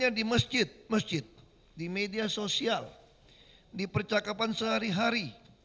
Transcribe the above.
misalnya di masjid masjid di media sosial di percakapan sehari hari